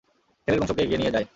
ছেলেরা বংশকে এগিয়ে নিয়ে যায়।